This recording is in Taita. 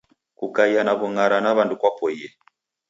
Kukaia na w'ung'ara na wandu kwapoie.